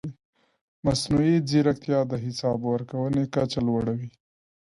مصنوعي ځیرکتیا د حساب ورکونې کچه لوړوي.